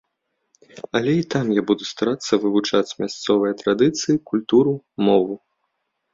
Але і там я буду старацца вывучаць мясцовыя традыцыі, культуру, мову.